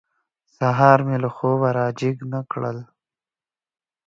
سهار مې له خوبه را جېګ نه کړل.